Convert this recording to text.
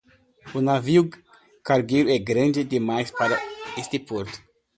O navio cargueiro é grande demais para este porto.